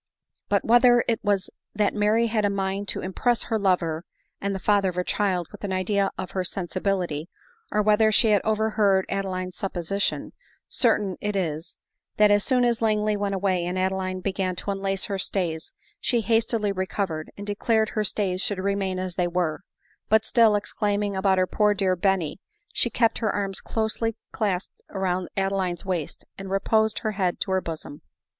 But whether it was that Mary had a mind to impress her lover and the father of her child with an idea of her sensibility, or whether she had overheard Adeline's supposition, certain it is, that as soon as Langley went away, and Adeline began to unlace her stays, she hastily recovered, and de clared her stays should remain as they were ; but still exclaiming about her poor dear Benny, she kept her arms closely clasped round Adeline's waist, and reposed her head on her bosom.